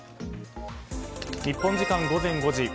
日本時間、午前５時。